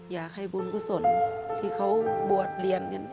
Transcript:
อยากให้บุญกุศลที่เขาบวชเรียนกัน